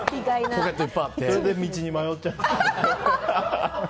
それで道に迷っちゃって。